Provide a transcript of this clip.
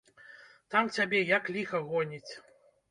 Там цябе як ліха гоніць!